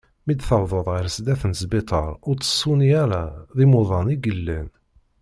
Mi d tewḍeḍ ɣer sdat n sbiṭar ur ttṣuni ara, d imuḍan i yellan.